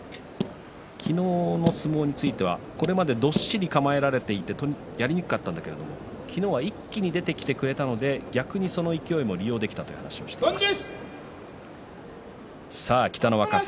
昨日の相撲についてはこれまでどっしり構えられていてやりにくかったけども昨日は一気に出てきてくれたので逆にその勢いも利用できたということを話しています。